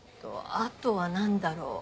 あとは何だろう？